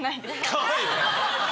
かわいいね。